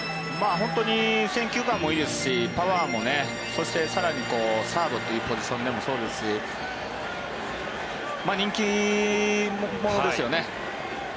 本当に選球眼もいいですしパワーも、そして更にサードというポジションでもそうですし人気もですよね。